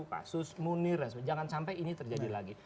kasus munir jangan sampai ini terjadi lagi